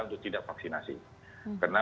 untuk tidak vaksinasi karena